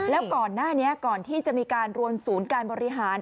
แล้วก่อนหน้านี้ก่อนที่จะมีการรวมศูนย์การบริหาร